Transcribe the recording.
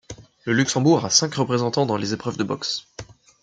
Le Luxembourg a cinq représentants dans les épreuves de boxe.